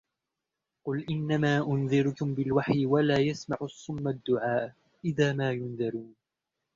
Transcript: قل إنما أنذركم بالوحي ولا يسمع الصم الدعاء إذا ما ينذرون